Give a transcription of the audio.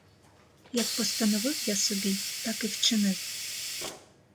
Як постановив я собі, так і вчинив.